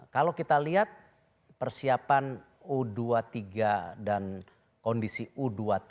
kalau kita lihat persiapan u dua puluh tiga dan kondisi u dua puluh tiga